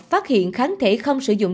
phát hiện kháng thể không sử dụng